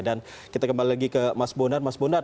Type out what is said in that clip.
dan kita kembali lagi ke mas bondan